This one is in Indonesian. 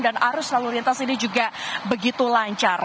dan arus lalu lintas ini juga begitu lancar